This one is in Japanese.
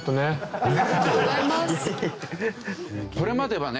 これまではね